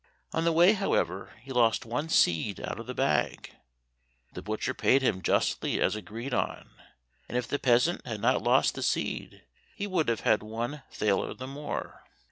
On the way, however, he lost one seed out of the bag. The butcher paid him justly as agreed on, and if the peasant had not lost the seed, he would have had one thaler the more.